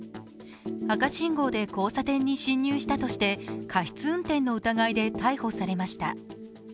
赤信号で交差点に進入したとして過失運転の疑いで逮捕されました。